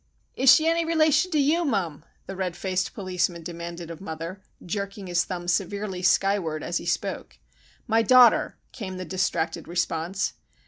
"Is she any relation to you, mum?" the red faced policeman demanded of mother, jerking his thumb severely skyward as he spoke. "My daughter," came the distracted response.